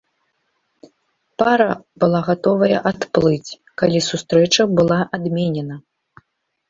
Пара была гатовая адплыць, калі сустрэча была адменена.